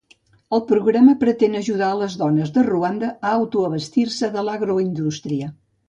El programa pretén ajudar a les dones de Ruanda a autoabastir-se de l'agroindústria.